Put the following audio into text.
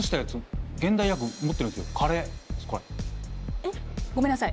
えっごめんなさい